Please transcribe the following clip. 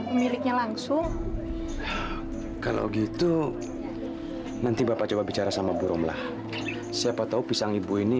pemiliknya langsung kalau gitu nanti bapak coba bicara sama burung lah siapa tahu pisang ibu ini